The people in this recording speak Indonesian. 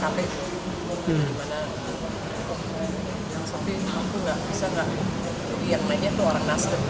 sofya yang main nya itu orang nasdem